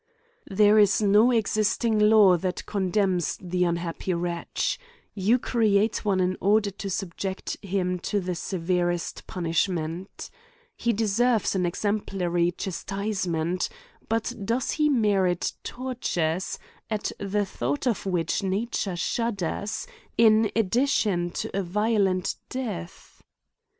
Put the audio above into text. There is no existing law that condemns the * Tit. Xm. Ad legem Jullam. I CRIMES AND PUNISHMENTS 179 unhappy wretch — You create one in order to sub ject him to the severest punishment. He deserves an exemplary chastisement ; but does he merit tortures, at the thought of which nature shudders, ^ in addition to a violent death